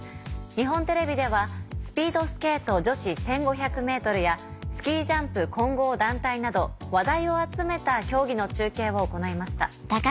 日本テレビではスピードスケート女子１５００ｍやスキージャンプ混合団体など話題を集めた競技の中継を行いました。